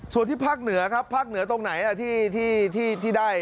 ส่วนที่ภาคเหนือครับภาคเหนือตรงไหนที่ได้